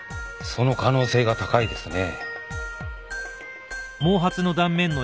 その可能性が高いですね。